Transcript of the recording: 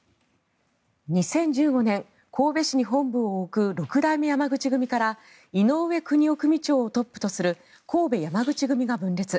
２０１５年、神戸市に本部を置く六代目山口組から井上邦雄組長をトップとする神戸山口組が分裂。